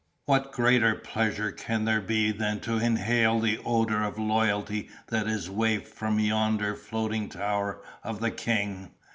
"What greater pleasure can there be than to inhale the odor of loyalty that is wafted from yonder floating tower of the king?